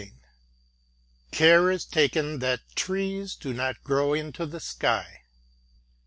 CARE IS TAKEN THAT TREES DO NOT GROW INTO THE SKY.